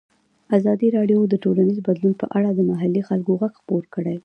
ازادي راډیو د ټولنیز بدلون په اړه د محلي خلکو غږ خپور کړی.